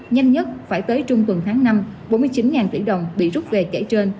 nhanh nhất phải tới trung tuần tháng năm bốn mươi chín tỷ đồng bị rút về kể trên